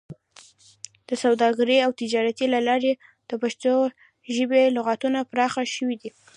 د سوداګرۍ او تجارت له لارې د پښتو ژبې لغتونه پراخه شوي دي.